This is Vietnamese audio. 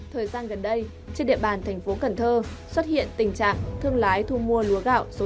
thời gian gần đây trên địa bàn thành phố cần thơ xuất hiện tình trạng thương lái thu mua lúa gạo số